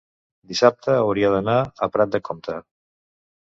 dissabte hauria d'anar a Prat de Comte.